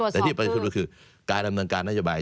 แต่ที่ประชุมก็คือการดำเนินการนโยบาย